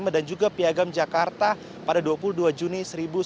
dan juga piagam jakarta pada dua puluh dua juni seribu sembilan ratus empat puluh lima